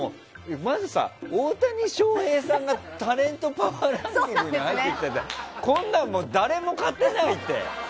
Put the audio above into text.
まず大谷翔平さんがタレントパワーランキングに入っているってこんなの誰も勝てないって。